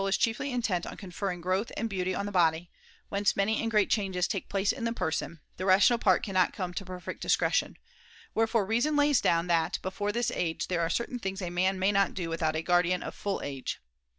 is chiefly intent on conferring growth and beauty on the body, whence many and great changes take place in the person, the rational part cannot come to perfect discretion ; wherefore Reason lays down that before this age there are certain things a man may not do without a guardian of full age.